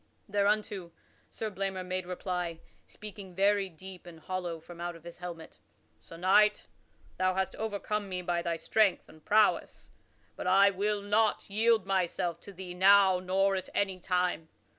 Thereunto Sir Blamor made reply, speaking very deep and hollow from out of his helmet: "Sir Knight, thou hast overcome me by thy strength and prowess, but I will not yield myself to thee now nor at any time.